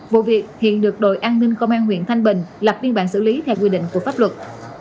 vụ việc hiện được đội an ninh công an huyện thanh bình lập biên bản xử lý theo quy định của pháp luật